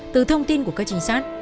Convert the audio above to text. từ thông tin của các trinh sát